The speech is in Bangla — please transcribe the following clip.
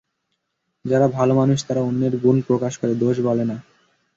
যারা ভালো মানুষ, তারা অন্যের গুণ প্রকাশ করে, দোষ বলে না।